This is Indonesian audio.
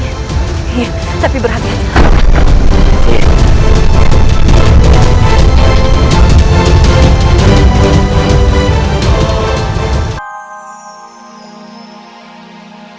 iya tapi berhati hatilah